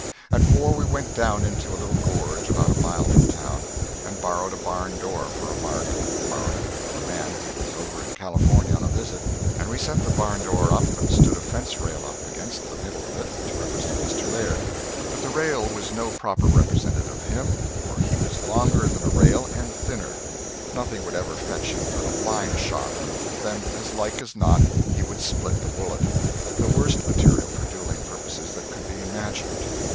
At four we went down into a little gorge, about a mile from town, and borrowed a barn door for a mark borrowed it of a man who was over in California on a visit and we set the barn door up and stood a fence rail up against the middle of it, to represent Mr. Laird. But the rail was no proper representative of him, for he was longer than a rail and thinner. Nothing would ever fetch him but a line shot, and then as like as not he would split the bullet the worst material for duelling purposes that could be imagined.